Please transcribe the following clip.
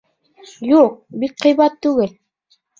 Юҡ, бик ҡыйбат түгел